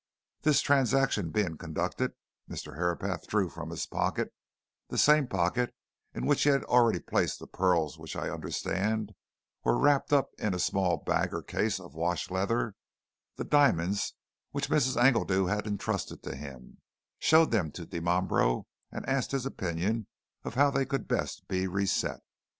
This transaction being conducted, Mr. Herapath drew from his pocket (the same pocket in which he had already placed the pearls, which I understand, were wrapped up in a small bag or case of wash leather) the diamonds which Mrs. Engledew had entrusted to him, showed them to Dimambro, and asked his opinion as to how they could best be reset.